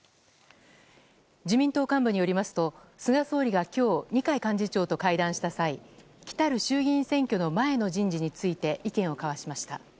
自民党幹部によりますと菅総理が今日二階幹事長と会談した際来る衆議院選挙の前の人事について意見を交わしました。